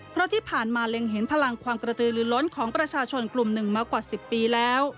เพราะที่ผ่านมาเล็งเห็นพลังความกระตือลือล้นของประชาชนกลุ่มหนึ่งมากว่า๑๐ปีแล้ว